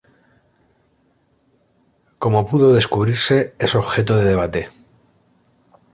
Cómo pudo descubrirse es objeto de debate.